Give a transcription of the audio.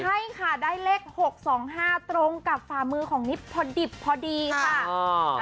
ใช่ค่ะได้เลข๖๒๕ตรงกับฝ่ามือของนิดพอดิบพอดีค่ะ